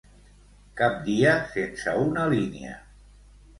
Cap dia sense una línia.